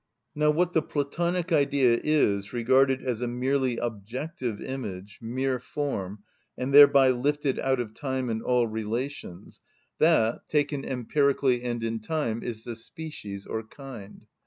Now what the Platonic Idea is, regarded as a merely objective image, mere form, and thereby lifted out of time and all relations—that, taken empirically and in time, is the species or kind.